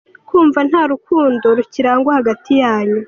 Kumva nta rukundo rukirangwa hagati yanyu.